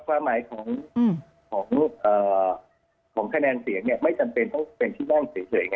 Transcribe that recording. ความหมายของคะแนนเสียงไม่จำเป็นต้องเป็นที่นั่งเฉย